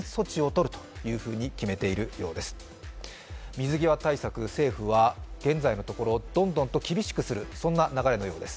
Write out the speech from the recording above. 水際対策、政府は現在のところどんどんと厳しくする、そんな流れのようです。